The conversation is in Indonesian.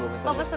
ya udah gue pesen